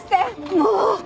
もう！